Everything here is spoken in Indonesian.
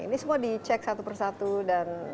ini semua dicek satu persatu dan